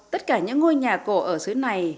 tất cả những ngôi nhà cổ ở xứ này